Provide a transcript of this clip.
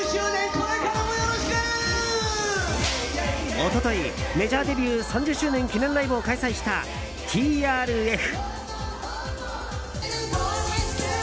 一昨日、メジャーデビュー３０周年記念ライブを開催したＴＲＦ。